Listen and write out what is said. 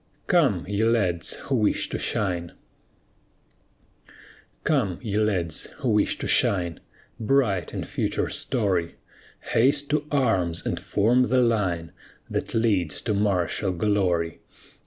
COME, YE LADS, WHO WISH TO SHINE Come, ye lads, who wish to shine Bright in future story, Haste to arms, and form the line That leads to martial glory.